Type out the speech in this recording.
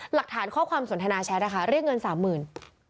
หลักฐานข้อความสนทนาแชทนะคะเรียกเงินสามหมื่น